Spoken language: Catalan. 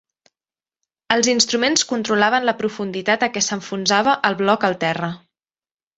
Els instruments controlaven la profunditat a què s'enfonsava el bloc al terra.